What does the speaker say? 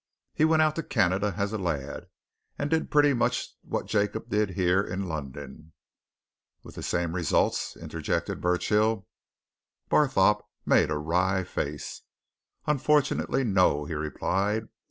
He went out to Canada as a lad, and did there pretty much what Jacob did here in London " "With the same results?" interjected Burchill. Barthorpe made a wry face. "Unfortunately, no!" he replied.